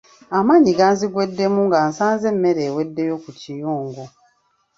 Amaanyi ganzigweddemu nga nsanze emmere eweddeyo ku kiyungu.